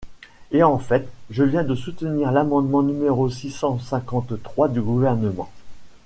Et en fait, je viens de soutenir l’amendement numéro six cent cinquante-trois du Gouvernement.